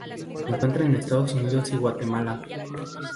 Se encuentra en Estados Unidos y Guatemala.